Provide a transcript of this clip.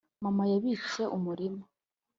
mama yabitse umurima,